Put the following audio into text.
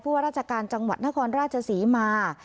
ว่าราชการจังหวัดนครราชศรีมา